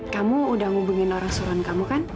kamu udah hubungin orang suruhan kamu kan